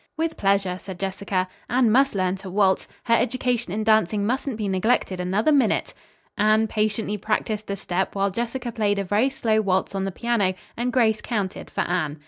"With pleasure," said Jessica, "Anne must learn to waltz. Her education in dancing mustn't be neglected another minute." Anne patiently practised the step while Jessica played a very slow waltz on the piano and Grace counted for Anne.